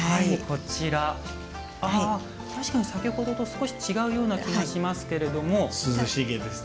確かに先ほどと少し違うような感じがしますけれども。